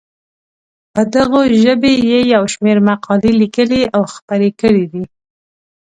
په دغو ژبو یې یو شمېر مقالې لیکلي او خپرې کړې دي.